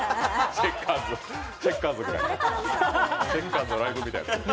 チェッカーズのライブみたい。